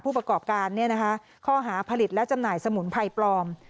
ผู้ประกอบการข้อหาผลิตและจำหน่ายสมุนไพรปลอม